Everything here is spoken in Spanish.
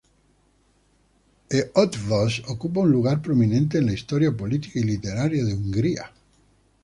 Eötvös ocupa un lugar prominente en la historia política y literaria de Hungría.